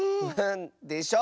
でしょ？